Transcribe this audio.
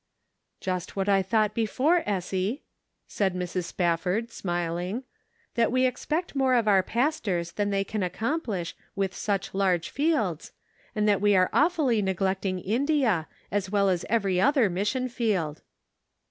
" Just what I thought before, Essie," said Mrs. Spafford smiling ;" that we expect more of our pastors than they can accomplish, with such large fields, and that we are awfully neglecting India, as well as every other mission field."